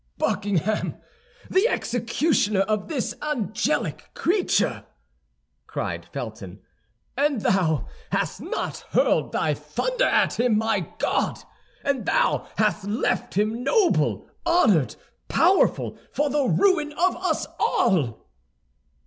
"Buckingham, the executioner of this angelic creature!" cried Felton. "And thou hast not hurled thy thunder at him, my God! And thou hast left him noble, honored, powerful, for the ruin of us all!"